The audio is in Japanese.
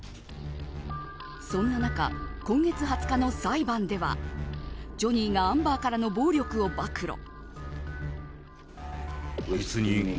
そんな中、今月２０日の裁判ではジョニーがアンバーからの暴力を暴露。